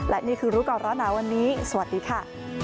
และนี่คือรู้ก่อนร้อนหนาวันนี้สวัสดีค่ะ